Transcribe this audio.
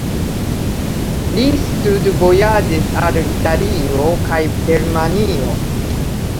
Li studvojaĝis al Italio kaj Germanio.